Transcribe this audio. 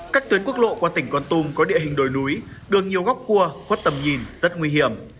các tuyến quốc lộ qua tỉnh con tum có địa hình đồi núi đường nhiều góc cua khuất tầm nhìn rất nguy hiểm